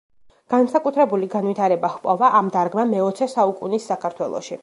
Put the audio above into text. განსაკუთრებული განვითარება ჰპოვა ამ დარგმა მეოცე საუკუნის საქართველოში.